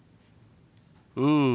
うん。